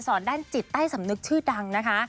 ด้านจิตใต้สำนึกชื่อดังนะคะ